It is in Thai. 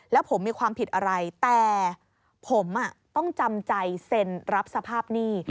แล้วผมมีความผิดอะไรแต่ผมต้องจำใจเซ็นรับสภาพหนี้